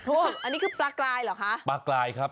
อันนี้คือปลากลายเหรอคะปลากลายครับ